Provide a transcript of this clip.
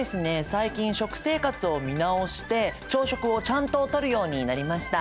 最近食生活を見直して朝食をちゃんととるようになりました。